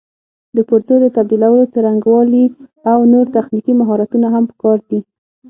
د پرزو د تبدیلولو څرنګوالي او نور تخنیکي مهارتونه هم پکار دي.